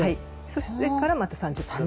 そうしてからまた３０分。